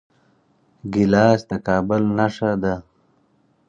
ګیلاس د کابل نښه ده.